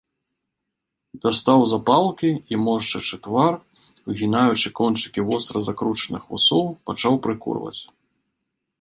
Дастаў запалкі і, моршчачы твар, угінаючы кончыкі востра закручаных вусоў, пачаў прыкурваць.